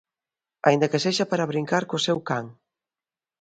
Aínda que sexa para brincar co seu can.